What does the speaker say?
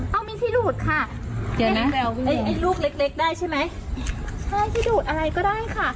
ให้เปิดนะเปิดด้านหลัง